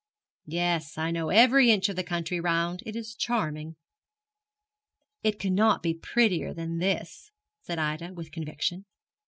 'Yes, I know every inch of the country round. It is charming.' 'It cannot be prettier than this,' said Ida, with conviction.